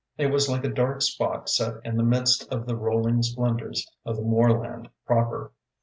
It was like a dark spot set in the midst of the rolling splendours of the moorland proper.